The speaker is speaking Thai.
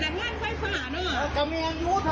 อ้าวจริงหรอชิคกี้พายใดจังไหน